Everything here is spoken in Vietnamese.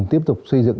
tiếp tục xây dựng